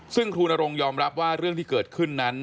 ซึ่งครูนรงยอมรับว่าเรื่องที่เกิดขึ้นนั้น